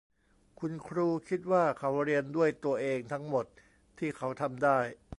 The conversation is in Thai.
คุณครูคิดว่าเขาเรียนด้วยตัวเองทั้งหมดที่เขาทำได้